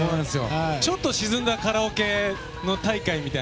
ちょっと沈んだカラオケ大会だったら